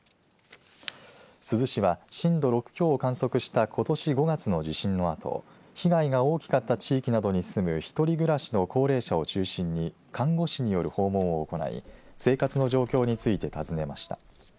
珠洲市は震度６強を観測したことし５月の地震のあと被害が大きかった地域などに住む一人暮らしの高齢者を中心に看護師による訪問を行い生活の状況について尋ねました。